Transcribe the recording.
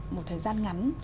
một thời gian ngắn